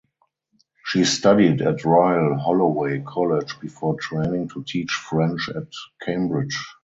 She studied at Royal Holloway College before training to teach French at Cambridge.